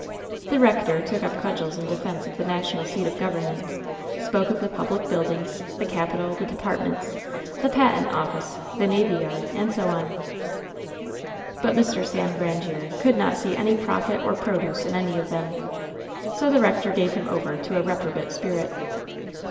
The rector took up cudgels in defense of the national seat of government ; spoke of the public buildings — ^the 164 LOVE'S BITTEREST CUP capitoly the departments, the patent office, the navy yard — and so on. But Mr. Sam Grandiere cotdd not see any profit or "produce" in any of them. So the rector gave him over to a reprobate spirit.